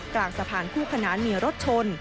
กลางสะพานคู่ขนานมีรถชน